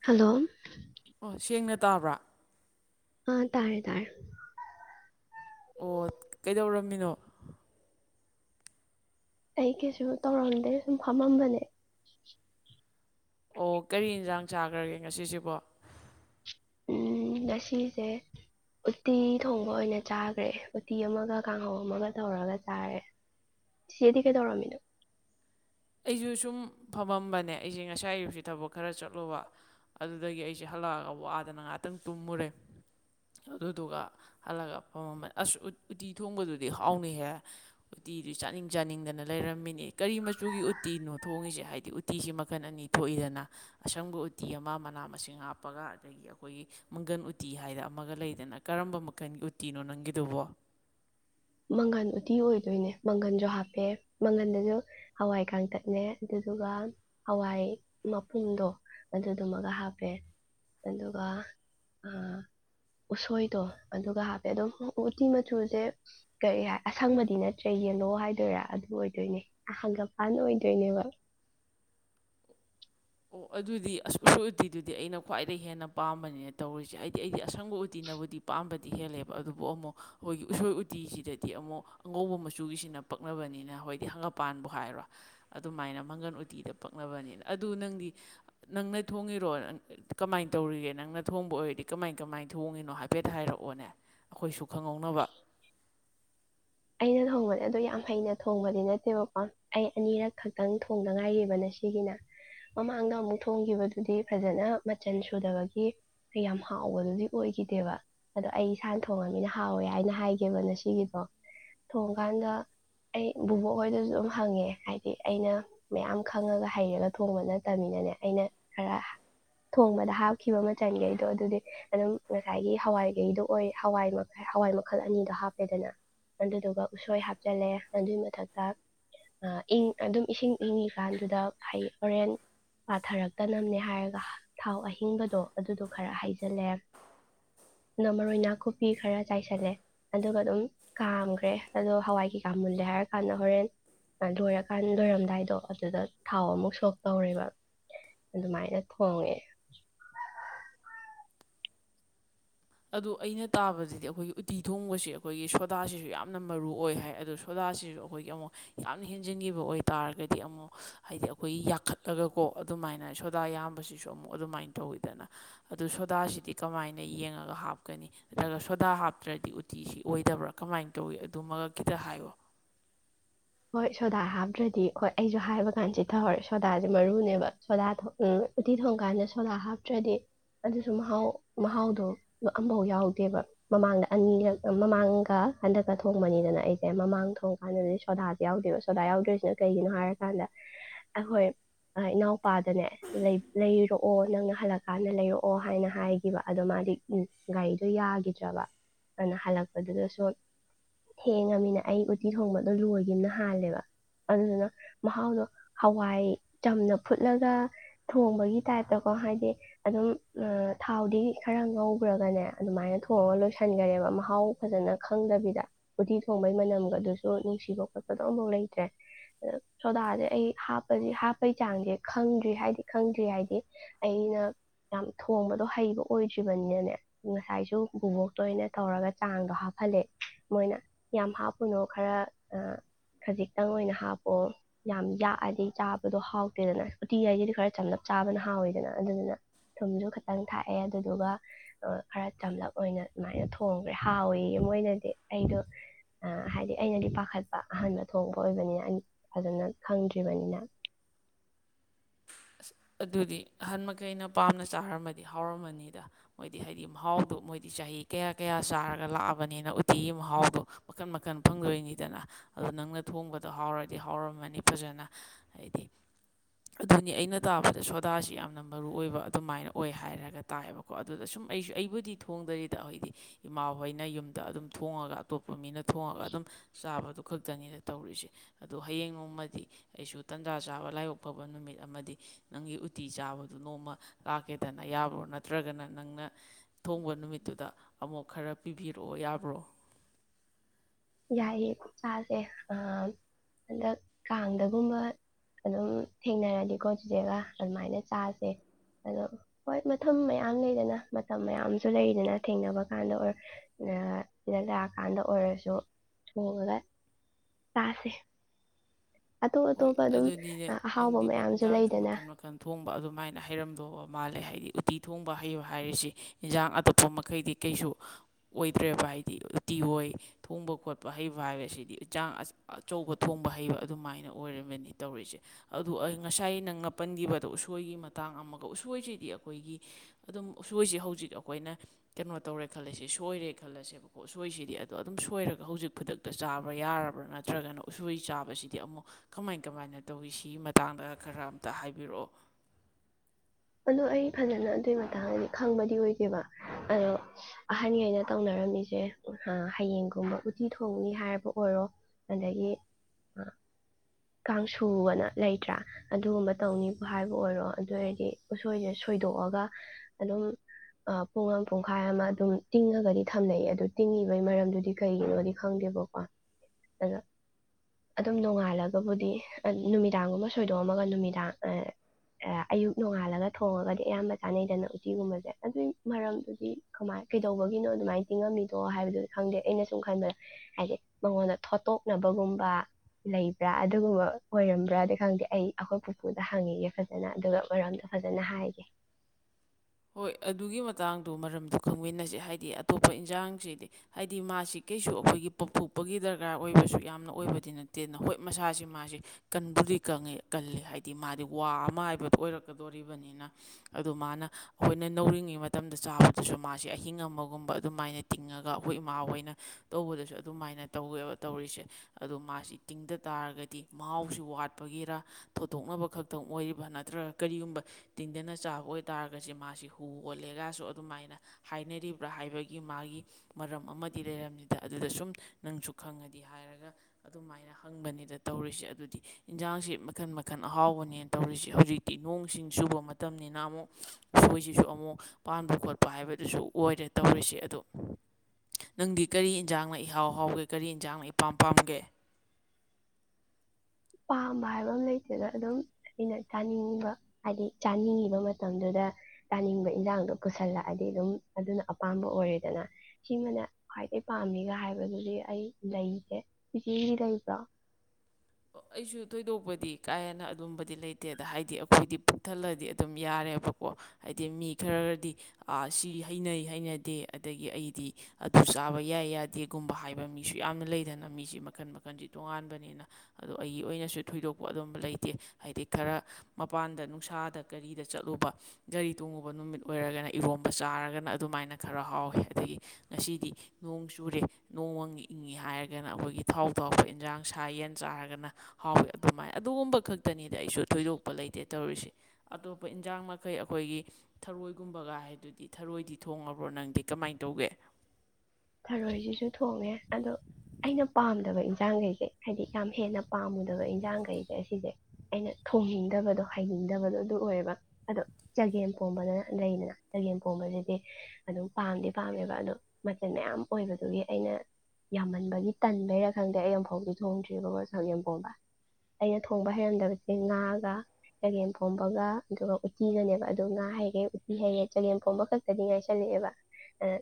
hello ꯑꯣ ꯁꯦꯡꯅ ꯞ ꯇꯥꯕ꯭ꯔ ꯑꯥ ꯇꯥꯔꯦ ꯇꯥꯔꯦ ꯑꯣ ꯀꯩꯗꯧꯔꯝꯃꯤꯅꯣ ꯑꯩ ꯀꯩꯁꯨ ꯇꯧꯔꯝꯗꯦ ꯁꯨꯝ ꯐꯝꯃꯝꯕꯅꯦ ꯑꯣ ꯀꯔꯤ ꯌꯦꯟꯁꯥꯡ ꯆꯥꯈ꯭ꯔꯒꯦ ꯉꯁꯤꯁꯤꯕꯣ ꯎꯝ ꯉꯁꯤꯁꯦ ꯎꯠꯇꯤ ꯊꯣꯡꯕ ꯑꯣꯏꯅ ꯆꯥꯈ꯭ꯔꯦ ꯎꯇꯤ ꯑꯃꯒ ꯀꯥꯡꯍꯧ ꯑꯃꯒ ꯇꯧꯔꯒ ꯆꯥꯔꯦ ꯁꯤꯦꯗꯤ ꯀꯩꯗꯧꯔꯝꯃꯤꯅꯣ ꯑꯩꯁꯨ ꯁꯨꯝ ꯐꯝꯃꯝꯕꯅꯦ ꯑꯩꯁꯦ ꯉꯁꯥꯏ ꯍꯥꯏꯁꯦ ꯊꯕꯛ ꯈꯔ ꯆꯠꯂꯨꯕ ꯑꯗꯨꯗꯒꯤ ꯑꯩꯁꯦ ꯍꯜꯂꯛꯑꯒ ꯋꯥꯗꯅ ꯉꯥꯛꯇꯪ ꯇꯨꯝꯃꯨꯔꯦ ꯑꯗꯨꯗꯨꯒ ꯍꯜꯂꯒ ꯐꯝꯃꯝꯕꯅꯤ ꯑꯁ ꯎꯇꯤ ꯊꯣꯡꯕꯗꯨꯗꯤ ꯍꯥꯎꯅꯍꯦ ꯎꯇꯤꯗꯨ ꯆꯥꯅꯤꯡ ꯆꯥꯅꯤꯡꯗꯅ ꯂꯩꯔꯝꯃꯤꯅꯤ ꯀꯔꯤ ꯃꯆꯨꯒꯤ ꯎꯇꯤꯅꯣ ꯊꯣꯡꯉꯤꯁꯦ ꯍꯥꯏꯗꯤ ꯎꯇꯤꯁꯤ ꯃꯈꯜ ꯑꯅꯤ ꯊꯣꯛꯏꯗꯅ ꯑꯁꯪꯕ ꯎꯇꯤ ꯑꯃ ꯃꯅꯥ ꯃꯁꯤꯡ ꯍꯥꯞꯄꯒ ꯑꯗꯒꯤ ꯑꯩꯈꯣꯏꯒꯤ ꯃꯪꯒꯟ ꯎꯇꯤ ꯍꯥꯏꯗꯅ ꯑꯃꯒ ꯂꯩꯗꯅ ꯀꯔꯝꯕ ꯃꯈꯜꯒꯤ ꯎꯇꯤꯅꯣ ꯅꯪꯒꯤꯗꯨꯕꯣ ꯃꯪꯒꯟ ꯎꯇꯤ ꯑꯣꯏꯗꯣꯏꯅꯦ ꯃꯪꯒꯟꯁꯨ ꯍꯥꯞꯄꯦ ꯃꯪꯒꯟꯗꯁꯨ ꯍꯋꯥꯏ ꯀꯥꯡꯇꯛꯅꯦ ꯑꯗꯨꯗꯨꯒ ꯍꯋꯥꯏ ꯃꯄꯨꯝꯗꯣ ꯑꯗꯨꯗꯨꯃꯒ ꯍꯥꯞꯄꯦ ꯑꯗꯨꯒ ꯎꯁꯣꯏꯗꯣ ꯑꯗꯨꯒ ꯍꯥꯞꯄꯦ ꯑꯗꯨꯝ ꯎꯇꯤ ꯃꯆꯨꯁꯦ ꯀꯩ ꯍꯥꯏ ꯑꯁꯪꯕꯗꯤ ꯅꯠꯇ꯭ꯔꯦ ꯌꯦꯡꯂꯣ ꯍꯥꯏꯗꯣꯏꯔꯥ ꯑꯗꯨ ꯑꯣꯏꯗꯣꯏꯅꯦ ꯑꯍꯪꯒ ꯐꯥꯟ ꯑꯣꯏꯗꯣꯏꯅꯦꯕ ꯑꯣ ꯑꯗꯨꯗꯤ ꯑꯁ ꯎꯁꯣꯏ ꯎꯇꯤꯗꯨꯗꯤ ꯑꯩꯅ ꯈ꯭ꯋꯥꯏꯗꯒꯤꯩ ꯍꯦꯟꯅ ꯄꯥꯝꯕꯅꯤꯅ ꯇꯧꯔꯤꯁꯦ ꯍꯥꯏꯗꯤ ꯑꯩꯗꯤ ꯑꯁꯪꯕ ꯎꯇꯤꯅꯕꯨꯗꯤ ꯄꯥꯝꯕꯗꯤ ꯍꯦꯜꯂꯦꯕ ꯑꯗꯨꯕꯨ ꯑꯃꯨꯛ ꯑꯩꯈꯣꯏꯒꯤ ꯎꯁꯣꯏ ꯎꯇꯤꯁꯤꯗꯗꯤ ꯑꯃꯨꯛ ꯑꯉꯧꯕ ꯃꯆꯨꯒꯤꯁꯤꯅ ꯄꯛꯅꯕꯅꯤꯅ ꯍꯥꯏꯣꯏꯗꯤ ꯍꯪꯒꯄꯥꯟꯕꯨ ꯍꯥꯏꯔꯣ ꯑꯗꯨꯃꯥꯏꯅ ꯃꯪꯒꯟ ꯎꯇꯤꯗ ꯄꯛꯅꯕꯅꯤꯅ ꯑꯗꯨ ꯅꯪ ꯅꯪꯅ ꯊꯣꯡꯉꯤꯔꯣ ꯀꯃꯥꯏꯅ ꯇꯧꯔꯤꯒꯦ ꯅꯪꯅ ꯊꯣꯡꯕ ꯑꯣꯏꯔꯗꯤ ꯀꯃꯥꯏ ꯀꯃꯥꯏꯅ ꯊꯣꯡꯉꯤꯅꯣ ꯍꯥꯏꯐꯦꯠ ꯍꯥꯏꯔꯛꯑꯣꯅꯦ ꯑꯩꯈꯣꯏꯁꯨ ꯈꯪꯍꯧꯅꯕ ꯑꯩꯅ ꯊꯣꯡꯕꯅꯦ ꯑꯣ ꯌꯥꯝ ꯍꯩꯅ ꯊꯣꯡꯕꯗꯤ ꯅꯠꯇꯦꯕꯀꯣ ꯑꯩ ꯑꯅꯤꯔꯛ ꯈꯛꯇꯪ ꯊꯣꯡꯅꯉꯥꯏꯔꯤꯕꯅ ꯁꯤꯒꯤꯅ ꯃꯃꯥꯡꯗ ꯑꯃꯨꯛ ꯊꯣꯡꯈꯤꯕꯗꯨꯗꯤ ꯐꯖꯅ ꯃꯆꯜ ꯁꯨꯗꯕꯒꯤ ꯌꯥꯝ ꯍꯥꯎꯕꯗꯨꯗꯤ ꯑꯣꯏꯈꯤꯗꯦꯕ ꯑꯗꯣ ꯑꯩ ꯏꯁꯥꯅ ꯊꯣꯡꯉꯅꯤꯅ ꯍꯥꯎꯋꯦ ꯍꯥꯏꯅ ꯍꯥꯏꯒꯕ ꯉ ꯁꯤꯒꯤꯗꯣ ꯊꯣꯡꯀꯥꯟꯗ ꯑꯩ ꯕꯕꯣꯛ ꯍꯣꯏꯗꯁꯨ ꯑꯗꯨꯝ ꯍꯪꯉꯦ ꯍꯥꯏꯗꯤ ꯑꯩꯅ ꯃꯌꯥꯝ ꯈꯪꯉꯒ ꯍꯩꯔꯒ ꯊꯣꯡꯕ ꯅꯠꯇꯃꯤꯅꯅꯦ ꯑꯩꯅ ꯈꯔ ꯊꯣꯡꯕꯗ ꯍꯥꯞꯈꯤꯕ ꯃꯆꯜꯈꯩꯗꯣ ꯑꯗꯨꯗꯤ ꯑꯗꯨꯝ ꯉꯁꯥꯏꯒꯤ ꯍꯋꯥꯏꯈꯩꯗꯣ ꯑꯣꯏ ꯍꯋꯥꯏ ꯍꯋꯥꯏ ꯃꯈꯜ ꯑꯅꯤꯗꯣ ꯍꯥꯞꯄꯦꯗꯅ ꯑꯗꯨꯗꯨꯒ ꯎꯁꯣꯏ ꯍꯥꯞꯆꯜꯂꯦ ꯑꯗꯨꯏ ꯃꯊꯛꯇ ꯏꯪ ꯑꯗꯨꯝ ꯏꯁꯤꯡ ꯏꯪꯉꯤꯀꯥꯟꯗꯨꯗ ꯍꯣꯔꯦꯟ ꯄꯥꯊꯔꯛꯇꯅꯝꯅꯦ ꯍꯥꯏꯔꯒ ꯊꯥꯎ ꯑꯍꯤꯡꯕꯗꯣ ꯑꯗꯨꯗꯣ ꯈꯔ ꯍꯩꯖꯤꯜꯂꯦ ꯑꯗꯨꯅ ꯃꯔꯣꯏ ꯅꯥꯀꯨꯞꯄꯤ ꯈꯔ ꯆꯥꯏꯁꯤꯜꯂꯦ ꯑꯗꯨꯒ ꯑꯗꯨꯝ ꯀꯥꯝꯈ꯭ꯔꯦ ꯑꯗꯣ ꯍꯋꯥꯏ ꯀꯩ ꯀꯥ ꯃꯨꯜꯂꯦ ꯍꯥꯏꯔꯀꯥꯟꯗ ꯍꯣꯔꯦꯟ ꯂꯣꯏꯔꯀꯥꯟꯗ ꯂꯣꯏꯔꯝꯗꯥꯏꯗꯣ ꯑꯗꯨꯗ ꯊꯥꯎ ꯑꯃꯨꯛ ꯁꯣꯛꯞ ꯇꯧꯔꯦꯕ ꯑꯗꯨꯃꯥꯏꯅ ꯊꯣꯡꯉꯦ ꯑꯗꯨ ꯑꯩꯅ ꯇꯥꯕꯗꯗꯤ ꯑꯩꯈꯣꯏꯒꯤ ꯎꯠꯇꯤ ꯊꯣꯡꯕꯁꯤ ꯑꯩꯈꯣꯏꯒꯤ ꯁꯣꯗꯥꯁꯤꯁꯨ ꯌꯥꯝꯅ ꯃꯔꯨ ꯑꯣꯏ ꯍꯥꯏ ꯑꯗꯨ ꯁꯣꯗꯥꯁꯤꯁꯨ ꯑꯩꯈꯣꯏꯒꯤ ꯑꯃꯨꯛ ꯌꯥꯝꯅ ꯍꯦꯟꯖꯤꯟꯈꯤꯕ ꯑꯣꯏ ꯇꯥꯔꯒꯗꯤ ꯑꯃꯨꯛ ꯍꯥꯏꯗꯤ ꯑꯩꯈꯣꯏꯒꯤ ꯌꯥꯈꯠꯂꯒꯀꯣ ꯑꯗꯨꯃꯥꯏꯅ ꯁꯣꯗꯥ ꯌꯥꯝꯕꯁꯤꯁꯨ ꯑꯃꯨꯛ ꯑꯗꯨꯃꯥꯏꯅ ꯇꯧꯋꯤꯗꯅ ꯑꯗꯨ ꯁꯣꯗꯥꯁꯤꯗꯤ ꯀꯃꯥꯏꯅ ꯌꯦꯡꯉꯒ ꯍꯥꯞꯀꯅꯤ ꯅꯠꯇ꯭ꯔꯒ ꯁꯣꯗꯥ ꯍꯥꯞꯇ꯭ꯔꯗꯤ ꯎꯇꯤꯁꯤ ꯑꯣꯏꯗꯕ꯭ꯔꯥ ꯀꯃꯥꯏꯅ ꯇꯧꯋꯤ ꯑꯗꯨꯃꯒ ꯈꯤꯇ ꯍꯥꯏꯌꯣ ꯍꯣꯏ ꯁꯣꯗꯥ ꯍꯥꯞꯇ꯭ꯔꯗꯤ ꯍꯣꯏ ꯑꯩꯁꯨ ꯍꯥꯏꯕ ꯀꯥꯟ ꯆꯊꯍꯔꯦ ꯁꯣꯗꯥꯁꯦ ꯃꯔꯨꯅꯦꯕ ꯁꯣꯗꯥ ꯎ ꯎꯇꯤ ꯊꯣꯡ ꯀꯥꯟꯗ ꯁꯣꯗꯥ ꯍꯥꯞꯇ꯭ꯔꯗꯤ ꯑꯗꯨꯁꯨ ꯃꯍꯥꯎ ꯃꯍꯥꯎꯗꯣ ꯑꯝꯐꯧ ꯌꯥꯎꯗꯦꯕ ꯃꯃꯥꯡꯗ ꯑꯅꯤꯛ ꯃꯃꯥꯡꯒ ꯍꯟꯗꯛꯀ ꯊꯣꯡꯕꯅꯤꯗꯅ ꯑꯩꯁꯦ ꯃꯃꯥꯡ ꯊꯣꯡ ꯀꯥꯟꯗꯗꯤ ꯁꯣꯗꯥ ꯌꯥꯎꯗꯦꯕ ꯁꯣꯗꯥ ꯌꯥꯎꯗꯣꯏꯔꯤꯁꯤꯅ ꯀꯩꯒꯤꯅꯣ ꯍꯥꯏꯔꯀꯥꯟꯗ ꯑꯩꯈꯣꯏ ꯏꯅꯥꯎꯄꯥꯗꯅꯦ ꯂꯩꯔꯛꯑꯣ ꯅꯪꯅ ꯍꯜꯂꯛꯀꯥꯟꯗ ꯂꯩꯔꯛꯑꯣ ꯍꯥꯏꯅ ꯍꯥꯏꯈꯤꯕ ꯑꯗꯣ ꯃꯥꯗꯤ ꯒꯥꯔꯤꯗꯣ ꯌꯥꯈꯤꯗ꯭ꯔꯕ ꯑꯗꯨꯅ ꯍꯜꯂꯛꯄꯗꯨꯗꯁꯨ ꯍꯦꯡꯉꯃꯤꯅꯦ ꯑꯩ ꯎꯇꯤ ꯊꯣꯡꯕꯗꯣ ꯂꯣꯏꯈꯤꯕꯅ ꯍꯥꯜꯂꯦꯕ ꯑꯗꯨꯗꯨꯅ ꯃꯍꯥꯎꯗꯣ ꯍꯋꯥꯏ ꯆꯝꯅ ꯐꯨꯠꯂꯒ ꯊꯣꯡꯕꯒꯤ ꯇꯥꯏꯞꯇꯀꯣ ꯍꯥꯏꯗꯤ ꯑꯗꯨꯝ ꯊꯥꯎꯗꯤ ꯈꯔ ꯉꯈ꯭ꯔꯒꯅꯦ ꯑꯗꯨꯃꯥꯏꯅ ꯊꯣꯡꯉꯒ ꯂꯣꯏꯁꯤꯟꯈꯔꯦꯕ ꯃꯍꯥꯎ ꯐꯖꯅ ꯈꯪꯗꯕꯤꯗ ꯎꯠꯇꯤ ꯊꯣꯡꯕꯒꯤ ꯃꯅꯝꯒ ꯑꯗꯨꯁꯨ ꯅꯨꯡꯁꯤꯕ ꯈꯣꯠꯄ ꯗꯣ ꯑꯃꯐꯥꯎ ꯂꯩꯇ꯭ꯔꯦ ꯑ ꯁꯣꯗꯥꯁꯦ ꯑꯩ ꯍꯥꯞꯄꯗꯤ ꯍꯥꯞꯄꯒꯤ ꯆꯥꯡꯁꯦ ꯈꯪꯗ꯭ꯔꯤ ꯍꯥꯏꯗꯤ ꯈꯪꯗ꯭ꯔꯤ ꯍꯥꯏꯗꯤ ꯑꯩꯅ ꯌꯥꯝ ꯊꯣꯡꯕꯗꯣ ꯍꯩꯕ ꯑꯣꯏꯗ꯭ꯔꯤꯕꯅꯤꯅꯅꯦ ꯉꯁꯥꯏꯁꯨ ꯕꯕꯣꯛꯇ ꯑꯣꯏꯅ ꯇꯧꯔꯒ ꯆꯥꯡꯗꯣ ꯍꯥꯞꯍꯜꯂꯦ ꯃꯣꯏꯅ ꯌꯥꯝ ꯍꯥꯞꯄꯨꯅꯣ ꯈꯔ ꯈꯖꯤꯛꯇꯪ ꯑꯣꯏꯅ ꯍꯥꯞꯄꯑꯣ ꯌꯥꯝ ꯌꯥꯛꯑꯗꯤ ꯆꯥꯕꯗꯣ ꯍꯥꯎꯇꯦꯗꯅ ꯎꯇꯤ ꯍꯥꯏꯁꯤꯗꯤ ꯈꯔ ꯆꯝꯂꯞ ꯆꯥꯕꯅ ꯍꯥꯎꯋꯤꯗꯅ ꯑꯗꯨꯗꯨꯅ ꯊꯨꯝꯁꯨ ꯈꯈꯤꯇꯪ ꯊꯥꯛꯑꯦ ꯑꯗꯨꯗꯨꯒ ꯈꯔ ꯆꯝꯂꯞ ꯑꯣꯏꯅ ꯑꯗꯨꯃꯥꯏꯅ ꯊꯣꯡꯈ꯭ꯔꯦ ꯍꯥꯎꯋꯤ ꯃꯣꯏꯅꯗꯤ ꯑꯩꯗꯣ ꯍꯥꯏꯗꯤ ꯑꯩꯅꯗꯤ ꯄꯥꯈꯠꯄ ꯑꯍꯥꯟꯕ ꯊꯣꯡꯕ ꯑꯣꯏꯕꯅꯤꯅ ꯐꯖꯅ ꯈꯪꯗ꯭ꯔꯤꯕꯅꯤꯅ ꯑꯗꯨꯗꯤ ꯑꯍꯟ ꯃꯈꯩꯅ ꯄꯥꯝꯅ ꯆꯥꯔꯝꯃꯗꯤ ꯍꯥꯎꯔꯝꯃꯅꯤꯗ ꯃꯣꯏꯗꯤ ꯍꯥꯏꯗꯤ ꯃꯍꯥꯎꯗꯣ ꯃꯣꯏꯗꯤ ꯆꯍꯤ ꯀꯌꯥ ꯀꯌꯥ ꯆꯥꯔꯒ ꯂꯥꯛꯑꯕꯅꯤꯅ ꯎꯇꯤꯒꯤ ꯃꯍꯥꯎꯗꯣ ꯃꯈꯟ ꯃꯈꯜ ꯐꯪꯗꯣꯏꯅꯤꯗꯅ ꯑꯗꯨ ꯅꯪꯅ ꯊꯣꯡꯕꯗꯣ ꯍꯥꯎꯔꯗꯤ ꯍꯥꯎꯔꯝꯃꯅꯤ ꯐꯖꯅ ꯍꯥꯏꯗꯤ ꯑꯗꯨꯅꯤ ꯑꯩꯅ ꯇꯥꯕꯗ ꯁꯣꯗꯥꯁꯤ ꯌꯥꯝꯅ ꯃꯔꯨ ꯑꯣꯏꯕ ꯑꯗꯨꯃꯥꯏꯅ ꯑꯣꯏ ꯍꯥꯏꯔꯒ ꯇꯥꯏꯑꯌꯦꯕꯀꯣ ꯑꯗꯨꯗ ꯁꯨꯝ ꯑꯩꯁꯨ ꯑꯩꯕꯨꯗꯤ ꯊꯣꯡꯗꯔꯤꯗ ꯑꯩꯈꯣꯏꯗꯤ ꯏꯃꯥ ꯍꯣꯏꯅ ꯌꯨꯝꯗ ꯑꯗꯨꯝ ꯊꯣꯡꯉꯒ ꯑꯇꯣꯞꯄ ꯃꯤꯅ ꯊꯣꯡꯉꯒ ꯑꯗꯨꯝ ꯆꯥꯕꯗꯨ ꯈꯛꯇꯅꯤꯗ ꯇꯧꯔꯤꯁꯦ ꯑꯗꯣ ꯍꯌꯦꯡ ꯅꯣꯡꯃꯗꯤ ꯑꯩꯁꯨ ꯇꯟꯖꯥ ꯆꯥꯕ ꯂꯥꯏꯑꯣꯛ ꯐꯕ ꯅꯨꯃꯤꯠ ꯑꯃꯗꯤ ꯅꯪꯒꯤ ꯎꯇꯤ ꯆꯥꯕꯗꯨ ꯅꯣꯡꯃ ꯂꯥꯛꯀꯦꯗꯅ ꯌꯥꯕ꯭ꯔꯣ ꯅꯠꯇ꯭ꯔꯒꯅ ꯅꯪꯅ ꯊꯣꯡꯕ ꯅꯨꯃꯤꯠꯇꯨꯗ ꯑꯃꯨꯛ ꯈꯔ ꯄꯤꯕꯤꯔꯛꯑꯣ ꯌꯥꯕ꯭ꯔꯣ ꯌꯥꯏꯌꯦ ꯆꯥꯁꯦ ꯍꯟꯗꯛ ꯀꯥꯡꯗꯒꯨꯝꯕ ꯑꯗꯨꯝ ꯊꯦꯡꯅꯔꯗꯤꯀꯣ ꯆꯤꯆꯦꯒ ꯑꯗꯨꯃꯥꯏꯅ ꯆꯥꯁꯦ ꯑꯗꯣ ꯍꯣꯏ ꯃ ꯃꯌꯥꯝ ꯂꯩꯗꯅ ꯃꯇꯝ ꯃꯌꯥꯝꯁꯨ ꯂꯩꯗꯅ ꯊꯦꯡꯅꯕ ꯀꯥꯟꯗ ꯑꯣꯏꯔ ꯁꯤꯗ ꯂꯥꯛꯑꯀꯥꯟꯗ ꯑꯣꯏꯔꯁꯨ ꯍꯒꯒꯦ ꯆꯥꯁꯦ ꯑꯇꯣꯞ ꯍꯣꯏ ꯑꯇꯣꯞꯄ ꯑꯗꯨꯝ ꯑꯗꯨꯅꯤꯅꯦ ꯑꯍꯥꯎꯕ ꯅꯪꯗꯤ ꯃꯌꯥꯝꯁꯨ ꯏꯟꯁꯥꯡꯁꯨ ꯂꯩꯗꯅ ꯃꯈꯟ ꯃꯈꯜ ꯊꯣꯡꯕ ꯑꯗꯨꯃꯥꯏꯅ ꯍꯥꯏꯔꯝꯗꯧꯕ ꯃꯥꯜꯂꯦ ꯍꯥꯏꯗꯤ ꯎꯇꯤ ꯊꯣꯡꯕ ꯍꯩꯕ ꯍꯥꯏꯔꯤꯁꯤ ꯏꯟꯁꯥꯡ ꯑꯇꯣꯞꯄ ꯃꯈꯩꯗꯤ ꯀꯩꯁꯨ ꯑꯣꯏꯗ꯭ꯔꯦꯕ ꯍꯥꯏꯗꯤ ꯎꯇꯤ ꯍꯣꯏ ꯊꯣꯡꯕ ꯈꯣꯠꯄ ꯍꯩꯕ ꯍꯥꯏꯕꯁꯤꯗꯤ ꯏꯟꯖꯥꯡ ꯑꯆꯧꯕ ꯊꯣꯡꯕ ꯍꯩꯕ ꯑꯗꯨꯃꯥꯏꯅ ꯑꯣꯏꯔꯤꯕꯅꯤ ꯇꯧꯔꯤꯁꯦ ꯑꯗꯣ ꯉꯁꯥꯏ ꯅꯪ ꯃꯥꯄꯟꯈꯤꯕꯗꯣ ꯎꯁꯣꯏꯒꯤ ꯃꯇꯥꯡ ꯑꯃꯒ ꯎꯁꯣꯏꯁꯤꯗꯤ ꯑꯩꯈꯣꯏꯒꯤ ꯑꯗꯨꯝ ꯎꯁꯣꯏꯁꯤꯦ ꯍꯧꯖꯤꯛ ꯑꯩꯈꯣꯏꯅ ꯀꯩꯅꯣ ꯇꯧꯔꯦ ꯈꯜꯂꯁꯦ ꯁꯣꯏꯔꯦ ꯈꯜꯂꯁꯦꯕꯀꯣ ꯎꯁꯣꯏꯁꯤꯗꯤ ꯑꯗꯣ ꯑꯗꯨꯝ ꯁꯣꯏꯔꯒ ꯍꯧꯖꯤꯛ ꯈꯨꯗꯛꯇ ꯆꯥꯕ꯭ꯔꯥ ꯌꯥꯔꯕ꯭ꯔꯥ ꯅꯠꯇ꯭ꯔꯒꯅ ꯎꯁꯣꯏ ꯆꯥꯕꯁꯤꯗꯤ ꯑꯃꯨꯛ ꯀꯃꯥꯏ ꯀꯃꯥꯏꯅ ꯇꯧꯋꯤ ꯁꯤꯒꯤ ꯃꯇꯥꯡꯗ ꯈꯔ ꯑꯝꯇ ꯍꯥꯏꯕꯤꯔꯛꯑꯣ ꯑꯗꯣ ꯑꯩ ꯐꯖꯅ ꯑꯗꯨꯏ ꯃꯇꯥꯡꯗꯗꯤ ꯈꯪꯕꯗꯤ ꯑꯣꯏꯗꯦꯕ ꯑꯗꯣ ꯑꯍꯟꯉꯩꯅ ꯇꯧꯅꯔꯝꯃꯤꯁꯦ ꯍꯌꯦꯡꯒꯨꯝꯕ ꯎꯠꯇꯤ ꯊꯣꯡꯅꯤ ꯍꯥꯏꯔꯕ ꯑꯣꯏꯔꯣ ꯑꯗꯒꯤ ꯀꯥꯡꯁꯨꯕꯅ ꯂꯩꯇ꯭ꯔꯥ ꯑꯗꯨꯒꯨꯝꯕ ꯇꯧꯅꯤ ꯍꯥꯏꯕ ꯑꯣꯏꯔꯣ ꯑꯗꯨ ꯑꯣꯏꯔꯗꯤ ꯎꯁꯣꯏꯁꯦ ꯁꯣꯏꯗꯣꯛꯑꯒ ꯑꯗꯨꯝ ꯄꯨꯡ ꯑꯃ ꯄꯨꯡꯈꯥꯏ ꯑꯃ ꯑꯗꯨꯝ ꯇꯤꯡꯉꯒꯗꯤ ꯊꯝꯅꯩ ꯑꯗꯨ ꯇꯤꯡꯉꯤꯕꯒꯤ ꯃꯔꯝꯗꯨꯗꯤ ꯀꯩꯒꯤꯅꯣꯗꯤ ꯈꯪꯗꯦꯕꯀꯣ ꯑꯗ ꯑꯗꯨꯝ ꯅꯣꯡꯉꯥꯜꯂꯒ ꯑꯗꯨꯕꯨꯗꯤ ꯅꯨꯃꯤꯗꯥꯡꯒꯨꯝꯕ ꯁꯣꯏꯗꯣꯛꯑꯃꯒ ꯅꯨꯃꯤꯗꯥꯡ ꯑꯌꯨꯛ ꯅꯣꯡꯉꯥꯜꯂꯒ ꯊꯣꯡꯉꯒꯗꯤ ꯑꯌꯥꯝꯕ ꯆꯥꯅꯩꯗꯅ ꯎꯇꯤꯒꯨꯝꯕꯁꯦ ꯑꯗꯨꯒꯤ ꯃꯔꯝꯗꯨꯗꯤ ꯀꯃꯥꯏ ꯀꯩꯗꯧꯕꯒꯤꯅꯣ ꯑꯗꯨꯃꯥꯏꯅ ꯇꯤꯡꯉꯝꯃꯤꯗꯣ ꯍꯥꯏꯕꯗꯨꯗꯤ ꯈꯪꯗꯦ ꯑꯩꯅ ꯁꯨꯝ ꯈꯟꯕꯗ ꯍꯥꯏꯗꯤ ꯃꯉꯣꯟꯗ ꯊꯣꯠꯇꯣꯛꯅꯕꯒꯨꯝꯕ ꯂꯩ ꯭ꯔꯥ ꯑꯗꯨꯒꯨꯝꯕ ꯑꯣꯏꯔꯝꯕ꯭ꯔꯥꯗꯤ ꯈꯪꯗꯦ ꯑꯩ ꯑꯩꯈꯣꯏ ꯄꯨꯄꯨꯗ ꯍꯪꯉꯤꯒꯦ ꯐꯖꯅ ꯑꯗꯨꯒ ꯃꯔꯝꯗꯣ ꯐꯖꯅ ꯍꯥꯏꯒꯦ ꯍꯣꯏ ꯑꯗꯨꯒꯤ ꯃꯇꯥꯡꯗꯣ ꯃꯔꯝꯗ ꯈꯪꯃꯤꯟꯅꯁꯦ ꯍꯥꯏꯗꯤ ꯑꯇꯣꯞꯄ ꯏꯟꯁꯥꯡꯁꯤꯗꯤ ꯍꯥꯏꯗꯤ ꯃꯥꯁꯤ ꯀꯩꯁꯨ ꯑꯩꯈꯣꯏꯒꯤ ꯄꯥꯡꯊꯣꯛꯄꯒꯤ ꯗꯔꯀꯥꯔ ꯑꯣꯏꯕꯁꯨ ꯌꯥꯝꯅ ꯑꯣꯏꯕꯗꯤ ꯅꯠꯇꯦꯅ ꯍꯣꯏ ꯃꯁꯥꯁ ꯃꯥꯁꯤ ꯀꯟꯕꯨꯗꯤꯉꯦ ꯀꯜꯂꯤ ꯍꯥꯏꯗꯤ ꯃꯥꯗꯤ ꯋꯥ ꯑꯃ ꯍꯥꯏꯕꯗꯨꯣ ꯑꯣꯏꯔꯛꯀꯗꯣꯔꯤꯕꯅꯤꯅ ꯑꯗꯨ ꯃꯥꯅ ꯑꯩꯈꯣꯏꯅ ꯅꯧꯔꯤꯉꯩ ꯃꯇꯝꯗ ꯆꯥꯕꯗꯁꯨ ꯃꯥꯁꯤꯦ ꯑꯍꯤꯡ ꯑꯃꯒꯨꯝꯕ ꯑꯗꯨꯃꯥꯏꯅ ꯇꯤꯡꯉꯒ ꯑꯩꯈꯣꯏ ꯏꯃꯥ ꯍꯣꯏꯅ ꯇꯧꯕꯗꯁꯨ ꯑꯗꯨꯃꯥꯏꯅ ꯇꯧꯋꯦꯕ ꯇꯧꯔꯤꯁꯦ ꯑꯗꯣ ꯃꯥꯁꯤ ꯇꯤꯡꯗ ꯇꯥꯔꯒꯗꯤ ꯃꯍꯥꯎꯁꯨ ꯋꯥꯠꯄꯒꯤꯔ ꯊꯣꯇꯣꯛꯅꯕ ꯈꯛꯇꯪ ꯑꯣꯏꯔꯤꯕ ꯅꯠꯇ꯭ꯔꯒ ꯀꯔꯤꯒꯨꯝꯕ ꯇꯤꯡꯗꯅ ꯆꯥꯕ ꯑꯣꯏ ꯇꯥꯔꯒꯗꯤ ꯃꯥꯁꯤ ꯑꯁꯤ ꯍꯨ ꯑꯣꯣꯜꯂꯦꯒꯁꯨ ꯑꯗꯨꯃꯥꯏꯅ ꯍꯥꯏꯅꯔꯤꯕ꯭ꯔꯥ ꯍꯥꯏꯕꯒꯤ ꯃꯥꯒꯤ ꯃꯔꯝ ꯑꯃꯗꯤ ꯂꯩꯔꯝꯅꯤꯗ ꯑꯗꯨꯗ ꯁꯨꯝ ꯅꯪꯁꯨ ꯈꯪꯉꯗꯤ ꯍꯥꯏꯔꯒ ꯑꯗꯨꯃꯥꯏꯅ ꯍꯪꯕꯅꯤꯗ ꯇꯧꯔꯤꯁꯦ ꯑꯗꯨꯗꯤ ꯏꯟꯁꯥꯡꯁꯤ ꯃꯈꯟ ꯃꯈꯜ ꯑꯍꯥꯎꯕꯅꯦꯅ ꯇꯧꯔꯤꯁꯤꯦ ꯍꯧꯖꯤꯛꯇꯤ ꯅꯣꯡꯁꯤꯡ ꯆꯨꯕ ꯃꯇꯝꯅꯤꯅ ꯑꯃꯨꯛ ꯁꯣꯏꯁꯤꯁꯨ ꯑꯃꯨꯛ ꯄꯥꯟꯕ ꯈꯣꯠꯄ ꯍꯥꯏꯕꯗꯨꯁꯨ ꯑꯣꯏꯔꯦ ꯇꯧꯔꯤꯁꯦ ꯑꯗꯣ ꯅꯪꯗꯤ ꯀꯔꯤ ꯑꯦꯟꯖꯥꯡꯅ ꯏꯍꯥꯎ ꯍꯥꯎꯒꯦ ꯀꯔꯤ ꯏꯟꯁꯥꯡꯅ ꯏꯄꯥꯝ ꯄꯥꯝꯒꯦ ꯄꯥꯝꯕ ꯍꯥꯏꯕ ꯑꯃ ꯂꯩꯇ꯭ꯔꯒ ꯑꯗꯨꯝ ꯑꯩꯅ ꯆꯥꯅꯤꯡꯉꯤꯕ ꯍꯥꯏꯗꯤ ꯆꯥꯅꯤꯡꯉꯤꯕ ꯃꯇꯝꯗꯨꯗ ꯆꯥꯅꯤꯡꯕ ꯏꯟꯖꯥꯡꯗꯣ ꯄꯨꯁꯜꯂꯛꯑꯗꯤ ꯑꯗꯨꯝ ꯑꯗꯨꯅ ꯑꯄꯥꯝꯕ ꯑꯣꯏꯔꯦꯗꯅ ꯁꯤꯃꯅ ꯈ꯭ꯋꯥꯏꯗꯗꯒꯤ ꯄꯥꯝꯃꯤꯒ ꯍꯥꯏꯕꯗꯨꯗꯤ ꯑꯩ ꯂꯩꯁꯦ ꯆꯤꯆꯦꯒꯤ ꯂꯩꯕ꯭ꯔꯣ ꯑꯩꯁꯨ ꯊꯣꯏꯗꯣꯛꯄꯗꯤ ꯀꯥ ꯍꯦꯟꯅ ꯑꯗꯨꯝꯕꯗꯤ ꯂꯩꯇꯦꯗ ꯍꯥꯏꯗꯤ ꯑꯩꯈꯣꯏꯗꯤ ꯄꯨꯟꯊꯜꯂꯗꯤ ꯑꯗꯨꯝ ꯌꯥꯔꯦꯕꯀꯣ ꯍꯥꯏꯗꯤ ꯃꯤ ꯈꯔꯗꯤ ꯁꯤ ꯍꯩꯅꯩ ꯍꯩꯅꯗꯦ ꯑꯗꯒꯤ ꯑꯩꯗꯤ ꯑꯗꯨ ꯆꯥꯕ ꯌꯥꯏ ꯌꯥꯗꯦꯒꯨꯝꯕ ꯍꯥꯏꯕ ꯃꯤꯁꯨ ꯌꯥꯝꯅ ꯂꯩꯗꯅ ꯃꯤꯁꯤ ꯃꯈꯟ ꯃꯈꯜꯁꯤ ꯇꯣꯉꯥꯟꯕꯅꯤꯅ ꯑꯗꯣ ꯑꯩꯒꯤ ꯑꯣꯏꯅꯁꯨ ꯊꯣꯏꯗꯣꯛꯄ ꯑꯗꯨꯝꯕ ꯂꯩꯇꯦ ꯍꯥꯏꯗꯤ ꯈꯔ ꯃꯄꯥꯟꯗ ꯅꯨꯡꯁꯥꯗ ꯀꯔꯤꯗ ꯆꯠꯂꯨꯕ ꯒꯥꯔꯤ ꯇꯣꯡꯉꯨꯕ ꯅꯨꯃꯤꯠ ꯑꯣꯏꯔꯒꯅ ꯏꯔꯣꯝꯕ ꯆꯥꯔꯒꯅ ꯑꯗꯨꯃꯥꯏꯅ ꯈꯔ ꯍꯥꯎꯋꯦ ꯑꯗꯒꯤ ꯉꯁꯤꯗꯤ ꯅꯣꯡ ꯆꯨꯔꯦ ꯅꯣꯡꯪ ꯏꯪꯉꯦ ꯍꯥꯏꯔꯒꯅ ꯑꯩꯈꯣꯏꯒꯤ ꯊꯥꯎ ꯊꯥꯎ ꯏꯟꯖꯥꯡ ꯁꯥ ꯌꯦꯟ ꯆꯥꯔꯒꯅ ꯍꯥꯎꯋ ꯑꯗꯨꯃꯥꯏ ꯑꯗꯨꯒꯨꯝꯕ ꯈꯛꯇꯅꯤ ꯑꯗꯤ ꯑꯩꯁꯨ ꯊꯣꯏꯗꯣꯛꯄ ꯂꯩꯇꯦ ꯇꯧꯔꯤꯁꯦ ꯑꯇꯣꯞꯄ ꯏꯟꯁꯥꯡ ꯃꯈꯩ ꯑꯩꯈꯣꯏꯒꯤ ꯊꯔꯣꯏꯒꯨꯝꯕꯒ ꯍꯥꯏꯗꯨꯗꯤ ꯊꯔꯣꯏꯗꯤ ꯊꯣꯡꯉꯕ꯭ꯔꯣ ꯅꯪꯗꯤ ꯀꯃꯥꯏꯅ ꯇꯧꯒꯦ ꯊꯔꯣꯏꯁꯤꯁꯨ ꯊꯣꯡꯉꯦ ꯑꯗꯣ ꯑꯩꯅ ꯄꯥꯝꯗꯕ ꯏꯟꯖꯥꯡꯈꯩꯁꯦ ꯍꯥꯏꯗꯤ ꯌꯥꯝ ꯍꯦꯟꯅ ꯄꯥꯝꯃꯨꯗꯕ ꯏꯟꯖꯥꯡꯈꯩꯁꯦ ꯑꯁꯤꯁꯦ ꯑꯩꯅ ꯊꯣꯡꯅꯤꯡꯗꯕꯗꯣ ꯍꯩꯅꯤꯡꯗꯕꯗꯣ ꯑꯗꯨ ꯑꯣꯏꯌꯦꯕ ꯑꯗꯣ ꯆꯒꯦꯝ ꯄꯣꯝꯕꯗ ꯂꯩꯗꯅ ꯆꯒꯦꯝ ꯄꯣꯝꯕꯁꯤꯗꯤ ꯑꯗꯨꯝ ꯄꯥꯝꯗꯤ ꯄꯥꯝꯃꯦꯕ ꯑꯗꯣ ꯃꯌꯥꯝ ꯑꯣꯏꯕꯗꯨꯒꯤ ꯑꯩꯅ ꯌꯥꯝꯃꯟꯕꯒꯤ ꯇꯟꯕꯩꯔꯥ ꯈꯪꯗꯦ ꯑꯩ ꯌꯐꯧꯗꯤ ꯊꯣꯡꯗ꯭ꯔꯤꯕꯕꯀꯣ ꯁꯔꯛ ꯌꯄꯣꯝꯕ ꯑꯩꯅ ꯊꯣꯡꯕ ꯍꯩꯔꯝꯗꯕꯁꯦ ꯉꯥꯒ ꯆꯒꯦꯝ ꯐꯣꯝꯕꯒ ꯑꯗꯨꯒ ꯎꯠꯇꯤꯒꯅꯦꯕ ꯑꯗꯨꯣ ꯉꯥ ꯍꯩꯒꯦ ꯎꯠꯇꯤ ꯍꯩꯒꯦ ꯆꯒꯦꯝ ꯐꯣꯝꯕ ꯈꯛꯇꯗꯤ ꯉꯥꯏꯁꯜꯂꯛꯑꯦꯕ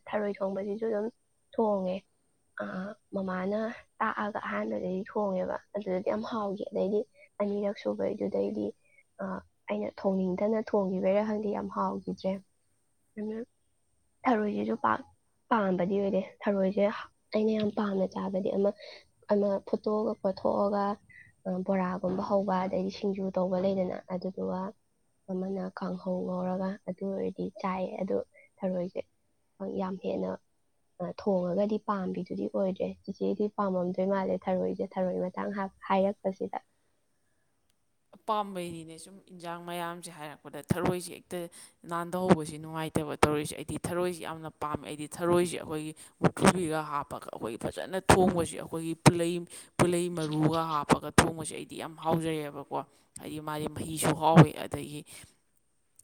ꯊꯔꯣꯏ ꯊꯣꯡꯕꯁꯤꯁꯨ ꯁꯨ ꯑꯗꯨꯝ ꯊꯣꯡꯉꯦ ꯃꯃꯥꯅ ꯇꯥꯛꯑꯒ ꯑꯍꯥꯟꯕꯗꯩꯗꯤ ꯊꯣꯡꯉꯦꯕ ꯑꯗꯨꯗꯗꯤ ꯌꯥꯝ ꯍꯥꯎꯈꯤ ꯑꯗꯩꯗꯤ ꯑꯅꯤꯔꯛ ꯁꯨꯕꯩꯗꯨꯗꯩꯗꯤ ꯑꯩꯅ ꯊꯣꯡꯅꯤꯡꯗꯅ ꯊꯣꯡꯈꯤꯕꯩꯔꯥ ꯈꯪꯗꯤ ꯌꯥꯝ ꯍꯥꯎꯈꯤꯗ꯭ꯔꯦ ꯑꯗꯨ ꯊꯔꯣꯏꯁꯤꯁꯨ ꯄꯥꯛ ꯄꯥꯝꯕꯗꯤ ꯑꯣꯏꯔꯦ ꯊꯔꯣꯏꯁꯦ ꯑꯩꯅ ꯌꯥꯝ ꯄꯥꯝꯅ ꯆꯥꯕꯗꯤ ꯑꯃ ꯑꯃ ꯐꯨꯠꯇꯣꯛꯑꯒ ꯈꯣꯊꯣꯛꯑꯒ ꯕꯣꯔꯥꯒꯨꯝꯕ ꯍꯧꯕ ꯑꯗꯩꯗꯤ ꯁꯤꯡꯖꯨ ꯇꯧꯕ ꯂꯩꯗꯅ ꯑꯗꯨꯗꯨꯒ ꯑꯃꯅ ꯀꯥꯡꯍꯧ ꯉꯧꯔꯒ ꯑꯗꯨ ꯑꯣꯏꯔꯗꯤ ꯆꯥꯏꯌꯦ ꯑꯗꯨ ꯊꯔꯣꯏꯁꯦ ꯌꯥꯝ ꯍꯦꯟꯅ ꯊꯣꯡꯉꯒꯗꯤ ꯄꯥꯝꯕꯤꯗꯨꯗꯤ ꯑꯣꯏꯗ꯭ꯔꯦ ꯆꯤꯆꯦꯗꯤ ꯄꯥꯝꯃꯝꯗꯣꯏ ꯃꯥꯜꯂꯦ ꯊꯔꯣꯏꯁꯦ ꯊꯔꯣꯏ ꯃꯇꯥꯡ ꯍꯥꯏꯔꯛꯄꯁꯤꯗ ꯑꯄꯥꯝꯕꯩꯅꯤꯅꯦ ꯁꯨꯝ ꯏꯟꯖꯥꯡ ꯃꯌꯥꯝꯁꯦ ꯍꯥꯏꯔꯛꯄꯗ ꯊꯔꯣꯏꯁꯦ ꯍꯦꯛꯇ ꯅꯥꯟꯊꯍꯧꯕꯁꯤ ꯅꯨꯡꯉꯥꯏꯇꯕ ꯇꯧꯔꯤꯁꯦ ꯑꯩꯗꯤ ꯊꯔꯣꯏꯁꯤ ꯌꯥꯝꯅ ꯄꯥꯝꯃꯦ ꯑꯩꯗꯤ ꯊꯔꯣꯏꯁꯦ ꯑꯩꯈꯣꯏꯒꯤ ꯃꯨꯇꯨꯕꯤꯒ ꯍꯥꯞꯄꯒ ꯑꯩꯈꯣꯏꯒꯤ ꯐꯖꯅ ꯊꯣꯡꯕꯁꯤ ꯑꯩꯈꯣꯏꯒꯤ ꯄꯨꯂꯩ ꯄꯨꯂꯩ ꯃꯔꯨꯒ ꯍꯥꯞꯄꯒ ꯊꯣꯡꯕꯁꯦ ꯑꯩꯗꯤ ꯌꯥꯝ ꯍꯥꯎꯖꯩꯑꯕꯀꯣ ꯍꯥꯏꯗꯤ ꯃꯥꯗꯤ ꯃꯍꯤꯁꯨ ꯍꯥꯎꯋꯦ ꯑꯗꯒꯤ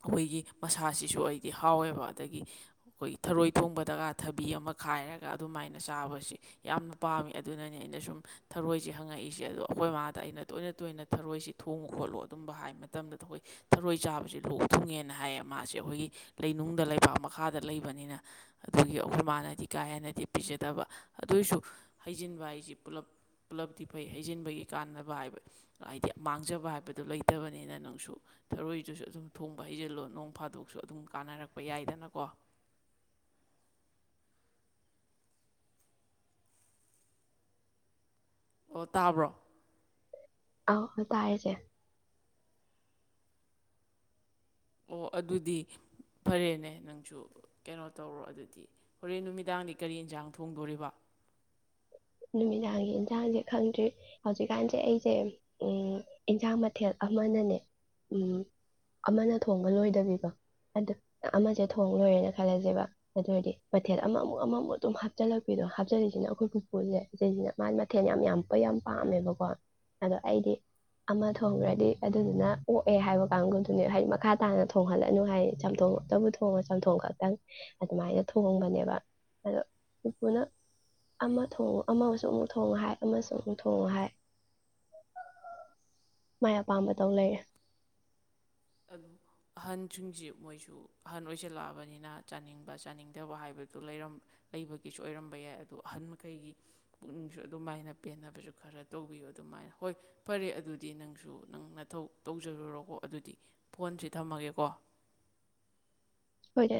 ꯑꯩꯈꯣꯏꯒꯤ ꯃꯁꯥꯁꯤꯁꯨ ꯑꯩꯗꯤ ꯍꯥꯎꯋꯦꯕ ꯑꯗꯒꯤ ꯑꯩꯈꯣꯏꯒꯤ ꯊꯔꯣꯏ ꯊꯣꯡꯕꯗꯒ ꯊꯕꯤ ꯑꯃ ꯈꯥꯏꯔꯒ ꯑꯗꯨꯃꯥꯏꯅ ꯆꯥꯕꯁꯤꯦ ꯌꯥꯝꯅ ꯄꯥꯝꯃꯤ ꯑꯗꯨꯅꯅꯦ ꯑꯩꯅ ꯁꯨꯝ ꯊꯔꯣꯏꯁ ꯍꯪꯉꯛꯏꯁꯦ ꯑꯗꯣ ꯑꯩꯈꯣꯏꯃꯥꯗ ꯑꯩꯅ ꯇꯣꯏꯅ ꯇꯣꯏꯅ ꯊꯔꯣꯏꯁꯤ ꯊꯣꯡꯉꯨ ꯈꯣꯠꯂꯨ ꯑꯗꯨꯝꯕ ꯍꯥꯏ ꯃꯇꯝꯗ ꯑꯩꯈꯣꯏ ꯊꯔꯣꯏ ꯆꯥꯕꯕꯁꯤꯦ ꯂꯣꯛ ꯊꯨꯡꯉꯦꯅ ꯍꯥꯏꯌꯦ ꯃꯥꯁꯦ ꯑꯩꯈꯣꯏꯒꯤ ꯂꯩꯅꯨꯡꯗ ꯂꯩꯕꯥꯛ ꯃꯈꯥꯗ ꯂꯩꯕꯅꯤꯅ ꯑꯗꯨꯒꯤ ꯑꯩꯈꯣꯏ ꯃꯥꯅꯗꯤ ꯀꯥ ꯍꯦꯟꯅꯗꯤ ꯄꯤꯖꯗꯕ ꯑꯗꯨꯏꯁꯨ ꯍꯩꯖꯤꯟꯕ ꯍꯥꯏꯁꯤꯦ ꯄꯨꯜꯂꯞ ꯄꯨꯜꯂꯞꯗꯤ ꯐꯩ ꯍꯩꯖꯤꯟꯕꯒꯤ ꯀꯥꯟꯅꯕ ꯍꯥꯏꯕ ꯍꯥꯏꯗꯤ ꯃꯥꯡꯖꯕ ꯍꯥꯏꯕꯗꯨꯣ ꯂꯩꯇꯕꯅꯤꯅ ꯅꯪꯁꯨ ꯊꯔꯣꯏꯗꯨꯁꯨ ꯑꯗꯨꯝ ꯊꯣꯡꯕ ꯍꯩꯖꯤꯜꯂꯣ ꯅꯣꯡ ꯐꯥꯗꯣꯛꯁꯨ ꯑꯗꯨꯝ ꯀꯥꯟꯅꯔꯛꯄ ꯌꯥꯏꯗꯅꯀꯣ ꯑꯣ ꯇꯥꯕ꯭ꯔꯣ ꯑ ꯇꯥꯏꯌꯦꯁꯦ ꯑꯣ ꯑꯗꯨꯗꯤ ꯐꯔꯦꯅꯦ ꯅꯪꯁꯨ ꯀꯩꯅꯣ ꯇꯧꯔꯣ ꯑꯗꯨꯗꯤ ꯍꯣꯔꯦꯟ ꯅꯨꯃꯤꯗꯥꯡꯗꯤ ꯀꯔꯤ ꯌꯦꯟꯁꯥꯡ ꯊꯣꯡꯗꯣꯔꯤꯕ ꯅꯨꯃꯤꯗꯥꯡꯒꯤ ꯏꯟꯁꯥꯡꯁꯦ ꯈꯪꯗ꯭ꯔꯤ ꯍꯧꯖꯤꯛꯀꯥꯟꯁꯦ ꯑꯩꯁꯦ ꯏꯟꯁꯥꯡ ꯃꯊꯦꯜ ꯑꯃꯅꯅꯦ ꯑꯃꯅ ꯊꯣꯡꯕ ꯂꯣꯏꯗꯕꯤꯀꯣ ꯑ ꯑꯃꯁꯦ ꯊꯣꯡ ꯂꯣꯏꯔꯦꯅ ꯈꯜꯂꯁꯦꯕ ꯑꯗꯨ ꯑꯣꯏꯔꯗꯤ ꯃꯊꯦꯜ ꯑꯃꯃꯨꯛ ꯑꯃꯃꯨꯛ ꯑꯗꯨꯝ ꯍꯥꯞꯆꯤꯜꯂꯛꯄꯤꯗꯣ ꯍꯥꯞꯆꯤꯜꯂꯤꯂꯤꯁꯤꯅ ꯑꯩꯈꯣꯏꯕꯨ ꯎꯄꯨꯁꯦ ꯁꯤꯁꯤꯅ ꯃꯥꯒꯤ ꯃꯊꯦꯜ ꯌꯥꯝ ꯌꯥꯝ ꯌꯥꯝ ꯄꯥꯝꯃꯦꯕꯀꯣ ꯑꯗꯣ ꯑꯩꯗꯤ ꯑꯃ ꯊꯣꯡꯈ꯭ꯔꯗꯤ ꯑꯗꯨꯗꯨꯅ ꯑꯣꯛꯑꯦ ꯍꯥꯏꯕ ꯀꯥꯡꯒꯗꯨꯅꯦ ꯍꯥꯏꯗꯤ ꯃꯈꯥ ꯇꯥꯅ ꯊꯣꯡꯍꯜꯂꯅꯨ ꯍꯥꯏꯗꯤ ꯆꯝꯊꯣꯡꯇꯕꯨ ꯊꯣꯡꯉ ꯆꯝꯊꯣꯡ ꯈꯛꯇꯪ ꯑꯗꯨꯃꯥꯏꯅ ꯊꯣꯡꯕꯅꯦꯕ ꯑꯗꯣ ꯎꯄꯨꯅ ꯑꯃ ꯊꯣꯡꯉ ꯑꯃꯁꯨ ꯑꯃꯨꯛ ꯊꯣꯡꯉ ꯍꯥꯏ ꯑꯃꯁꯨ ꯑꯃꯨꯛ ꯊꯣꯡꯉ ꯍꯥꯏ ꯃꯥꯏ ꯑꯄꯥꯝꯕꯗꯧ ꯂꯩꯔꯦ ꯑꯗꯨ ꯑꯍꯟꯁꯤꯡꯁꯤ ꯃꯣꯏꯁꯨ ꯑꯍꯟ ꯑꯣꯏꯁꯤꯜꯂꯛꯑꯕꯅꯤꯅ ꯆꯥꯅꯤꯡꯕ ꯆꯥꯅꯤꯡꯗꯕ ꯍꯥꯏꯕꯗꯨ ꯂꯩꯕꯒꯤꯁꯨ ꯑꯣꯏꯔꯝꯕ ꯌꯥꯏ ꯑꯗꯨꯗꯣ ꯑꯍꯟ ꯃꯈꯩꯒꯤ ꯄꯨꯛꯅꯤꯡꯁꯨ ꯑꯗꯨꯃꯥꯏꯅ ꯄꯦꯟꯅꯕꯁꯨ ꯈꯔ ꯇꯧꯕꯤꯌꯨ ꯑꯗꯨꯃꯥꯏꯅ ꯍꯣꯏ ꯐꯔꯦ ꯑꯗꯨꯗꯤ ꯅꯪꯁꯨ ꯅꯪꯅꯊꯧ ꯇꯧꯖꯔꯨꯔꯣꯀꯣ ꯑꯗꯨꯗꯤ ꯐꯣꯟꯁꯤ ꯊꯝꯃꯒꯦꯀꯣ ꯍꯣꯏꯔ